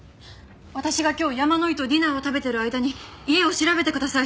私が今日山野井とディナーを食べている間に家を調べてください！